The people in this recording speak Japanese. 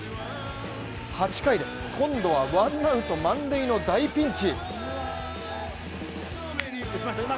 ８回です、今度はワンアウト・満塁の大ピンチ。